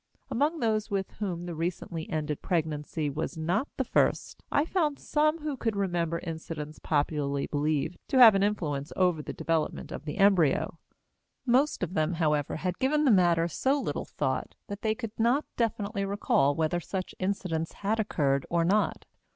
Among those with whom the recently ended pregnancy was not the first I found some who could remember incidents popularly believed to have an influence over the development of the embryo; most of them, however, had given the matter so little thought that they could not definitely recall whether such incidents had occurred or not.